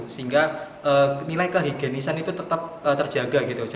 sehingga nilai kehigienisan itu tetap terjaga gitu